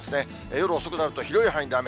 夜遅くなると、広い範囲で雨。